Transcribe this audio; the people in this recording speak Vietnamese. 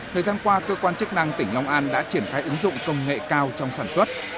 thời gian qua cơ quan chức năng tỉnh long an đã triển khai ứng dụng công nghệ cao trong sản xuất